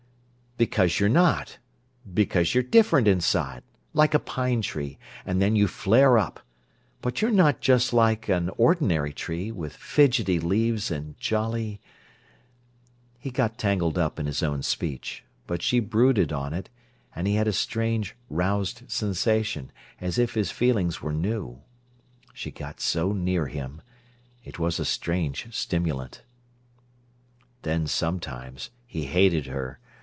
"Because you're not; because you're different inside, like a pine tree, and then you flare up; but you're not just like an ordinary tree, with fidgety leaves and jolly—" He got tangled up in his own speech; but she brooded on it, and he had a strange, roused sensation, as if his feelings were new. She got so near him. It was a strange stimulant. Then sometimes he hated her.